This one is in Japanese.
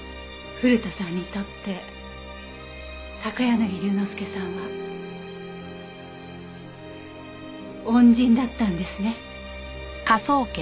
古田さんにとって高柳龍之介さんは恩人だったんですね。